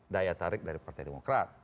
daya tarik dari partai demokrat